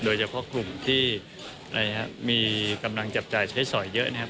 โดยเฉพาะกลุ่มที่มีกำลังจับจ่ายใช้สอยเยอะนะครับ